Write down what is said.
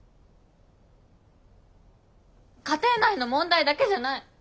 家庭内の問題だけじゃない。